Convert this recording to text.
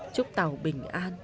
chúc tàu bình an